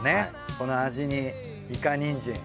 この味にいかにんじん。